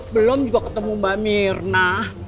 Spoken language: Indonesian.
belum juga ketemu mbak mirna